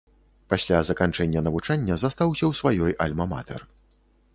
Пасля заканчэння навучання застаўся ў сваёй альма-матэр.